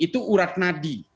itu urat nadi